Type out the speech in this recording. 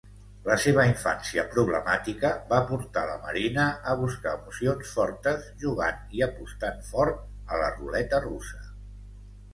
La seva infància problemàtica, va portar la Marina a buscar emocions fortes jugant i apostant fort a la ruleta russa.